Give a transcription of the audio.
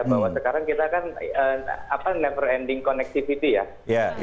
bahwa sekarang kita kan never ending connectivity ya